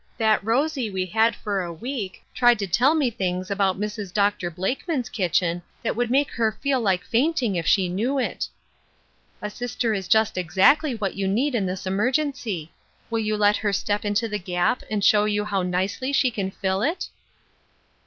That Rosie we had for a week tried to A Sister Needed, 317 ««11 me things about Mrs. Dr. Blakeman's kitcheu that would make her feel like fainting if she knew it. A sister is just exactly what you need in this emergency. Will you let her step into the gap and show you how nicely she can fill it?